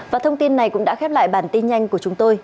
và thông tin này cũng đã khép lại bản tin nhanh của chúng tôi